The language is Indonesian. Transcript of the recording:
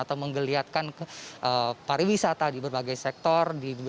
atau menggeliatkan pariwisata di berbagai sektor